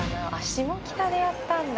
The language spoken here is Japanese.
下北でやったんだ。